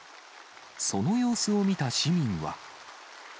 その様子を見た市民は。